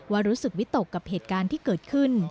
รู้สึกวิตกกับเหตุการณ์ที่เกิดขึ้น